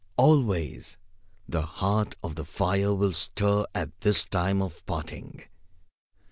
Always, the heart of the fire will stir at this time of parting.